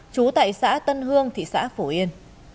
trú tại xã tân hương thị xã phổ yên